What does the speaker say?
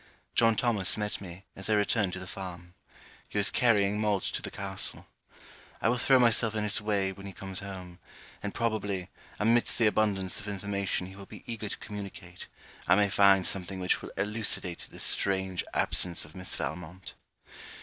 John Thomas met me, as I returned to the farm. He was carrying malt to the castle. I will throw myself in his way when he comes home; and probably, amidst the abundance of information he will be eager to communicate, I may find something which will elucidate this strange absence of Miss Valmont.